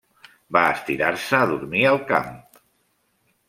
Va estirar-se a dormir al camp.